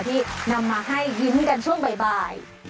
ที่นำมาให้ยิ้มกันช่วงบ่าย